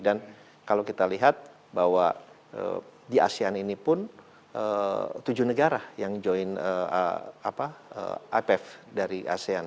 kalau kita lihat bahwa di asean ini pun tujuh negara yang join ipf dari asean